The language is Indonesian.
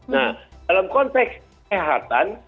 nah dalam konteks kesehatan